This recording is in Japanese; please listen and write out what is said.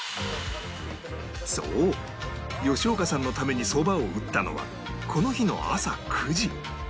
そう吉岡さんのためにそばを打ったのはこの日の朝９時